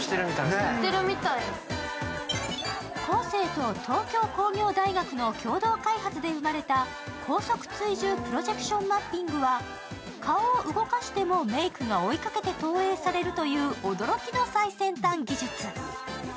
ＫＯＳＥと東京工業大学の共同開発で生まれた高速追従プロジェクションマッピングは顔を動かしてもメイクが追いかけて投影されるという驚きの最先端技術。